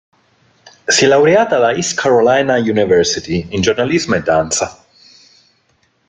Si è laureata alla East Carolina University in giornalismo e danza.